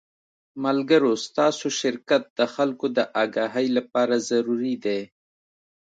ملګرو ستاسو شرکت د خلکو د اګاهۍ له پاره ضروري دے